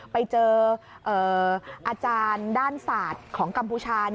ไปเจออาจารย์ด้านศาสตร์ของกัมพูชา